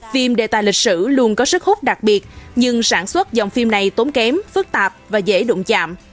phim đề tài lịch sử luôn có sức hút đặc biệt nhưng sản xuất dòng phim này tốn kém phức tạp và dễ đụng chạm